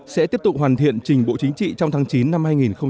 sẽ tiếp tục hoàn thiện trình bộ chính trị trong tháng chín năm hai nghìn một mươi chín